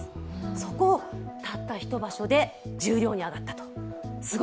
そこをたった一場所で重量に上がったと。